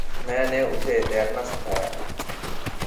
میں نے اسے تیرنا سکھایا۔